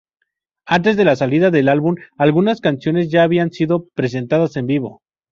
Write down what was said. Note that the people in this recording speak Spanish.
Antes de la salida del álbum, algunas canciones ya habían sido presentadas en vivo.